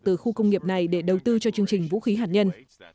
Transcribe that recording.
từ khu công nghiệp này để đầu tư cho chương trình vũ khí hạt nhân